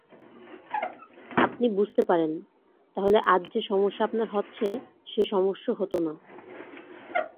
আপনি বুঝতে পারেন, তাহলে আজ যে- সমস্যা আপনার হচ্ছে সেই সমস্য হত না।